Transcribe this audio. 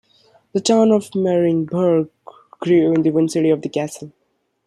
The town of Marienburg grew in the vicinity of the castle.